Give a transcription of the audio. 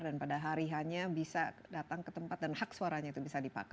dan pada hari hanya bisa datang ke tempat dan hak suaranya itu bisa dipakai